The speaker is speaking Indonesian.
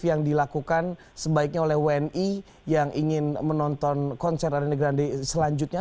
yang dilakukan sebaiknya oleh wni yang ingin menonton konser dari negara grande selanjutnya